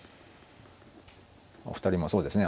お二人もそうですね